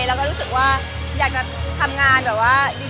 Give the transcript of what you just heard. เราก็รู้สึกว่าอยากจะทำงานแบบว่าดีต่อไปอะค่ะ